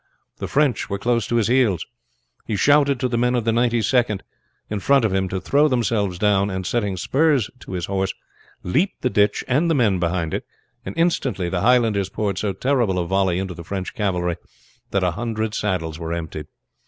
The French were close to his heels. He shouted to the men of the Ninety second in front of him to throw themselves down, and setting spurs to his horse leaped the ditch and the men behind it, and instantly the Highlanders poured so terrible a volley into the French cavalry that a hundred saddles were emptied.